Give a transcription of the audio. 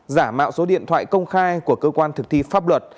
giả mạo số điện thoại công khai của cơ quan thực thi pháp luật